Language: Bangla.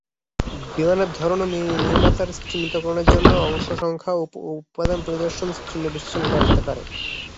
বিমানের ধরন এবং নির্মাতার চিহ্নিতকরণের জন্য অংশ সংখ্যা এবং উৎপাদন পরিদর্শন চিহ্ন বিশ্লেষণ করা যেতে পারে।